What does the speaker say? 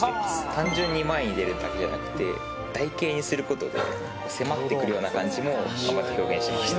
単純に前に出るだけじゃなくて台形にすることで迫ってくるような感じも頑張って表現しました・